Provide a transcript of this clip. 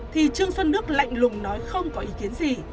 thì trường xuân đức lạnh lùng nói không có ý kiến gì